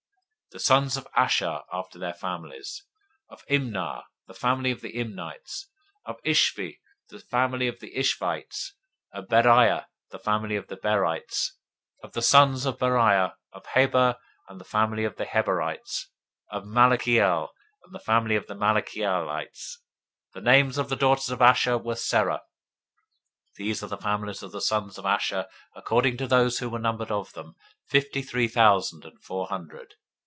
026:044 The sons of Asher after their families: of Imnah, the family of the Imnites; of Ishvi, the family of the Ishvites; of Beriah, the family of the Berites. 026:045 Of the sons of Beriah: of Heber, the family of the Heberites; of Malchiel, the family of the Malchielites. 026:046 The name of the daughter of Asher was Serah. 026:047 These are the families of the sons of Asher according to those who were numbered of them, fifty three thousand and four hundred.